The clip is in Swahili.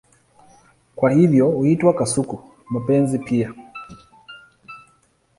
Kwa hivyo huitwa kasuku-mapenzi pia.